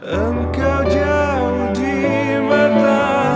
om kangen sama rena